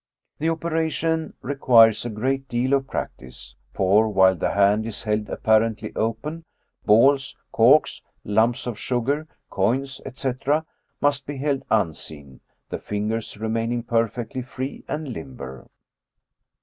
This operation requires a great deal of practice; for, while the hand is held apparently open, balls, corks, lumps of sugar, coins, etc., must be held unseen, the fingers re maining perfectly free and limber.